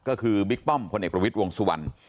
ก็คือบิ๊กป้อมพลเอกประวิทย์วงสุวรรณ